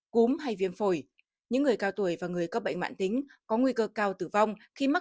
cúm hay viêm phổi những người cao tuổi và người có bệnh mạng tính có nguy cơ cao tử vong khi mắc